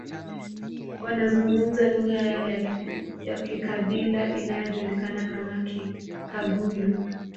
Wanazungumza lugha yao ya kikabila inayojulikana kama Kikagulu